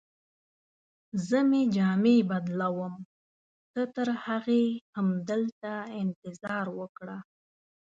زه مې جامې بدلوم، ته ترهغې همدلته انتظار وکړه.